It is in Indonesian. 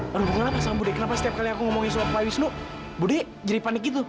berhubungan apa sama budi kenapa setiap kali aku ngomongin soal pak wisnu budi jadi panik gitu